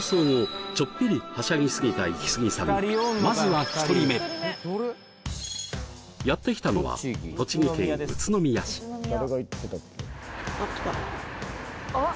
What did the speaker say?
まずは１人目やって来たのは栃木県宇都宮市あっ！